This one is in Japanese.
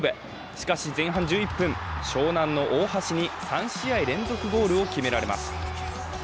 しかし前半１１分、湘南の大橋に３試合連続ゴールを決められます。